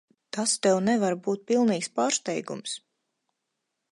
Tas tev nevar būt pilnīgs pārsteigums.